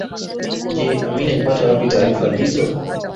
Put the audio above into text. Je Amin alipata wapi taarifa hizo